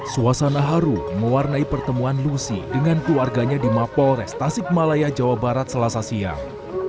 suasana haru mewarnai pertemuan lucy dengan keluarganya di mapol restasik malaya jawa barat selasa siang